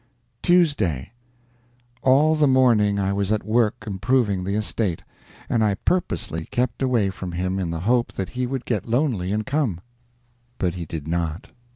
TUESDAY. All the morning I was at work improving the estate; and I purposely kept away from him in the hope that he would get lonely and come. But he did not.